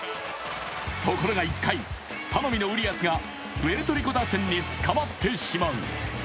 ところが１回、頼みのウリアスがプエルトリコ打線に捕まってしまう。